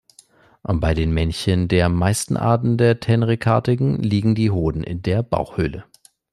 Bei den Männchen der meisten Arten der Tenrekartigen liegen die Hoden in der Bauchhöhle.